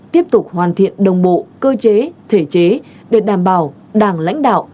tiếp tục hoàn thiện đồng bộ cơ chế thể chế để đảm bảo đảng lãnh đạo